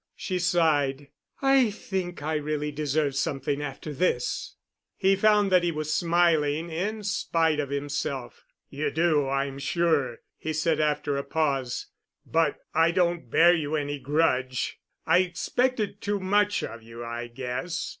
She sighed. "I think I really deserve something after this." He found that he was smiling in spite of himself. "You do, I'm sure," he said after a pause. "But I don't bear you any grudge. I expected too much of you, I guess.